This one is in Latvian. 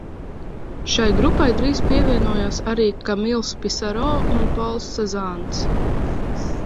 Šai grupai drīz pievienojās arī Kamils Pisaro un Pols Sezans.